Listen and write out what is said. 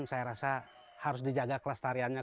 saya rasa harus dijaga kelestariannya